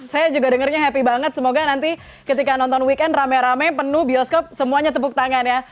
saya juga dengarnya happy banget semoga nanti ketika nonton weekend rame rame penuh bioskop semuanya tepuk tangan ya